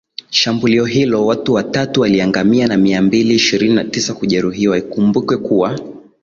shambulio hilo watu watatu waliangamia na mia mbili ishirini na tisa kujeruhiwa Ikumbukwe kuwa